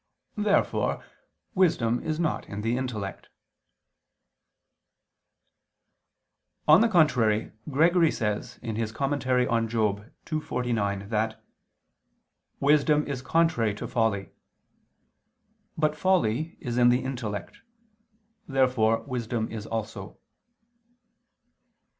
Therefore wisdom is not in the intellect. On the contrary, Gregory says (Moral. ii, 49) that "wisdom is contrary to folly." But folly is in the intellect. Therefore wisdom is also.